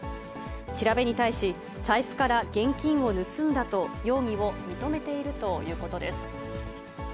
調べに対し、財布から現金を盗んだと容疑を認めているということです。